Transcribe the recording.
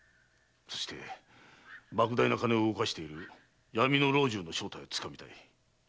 そして莫大な金を動かしている「闇の老中」の正体を掴みたい。